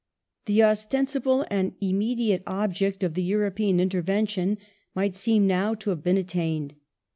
The ostensible and immediate object of the European in tei*ven tion might seem now to have been attained.